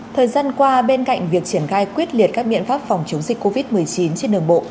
thời gian qua bên cạnh việc triển khai quyết liệt các biện pháp phòng chống dịch covid một mươi chín trên đường bộ